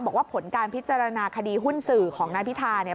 บอกว่าผลการพิจารณาคดีหุ้นสื่อของนายพิธาเนี่ย